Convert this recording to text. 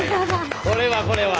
これはこれは。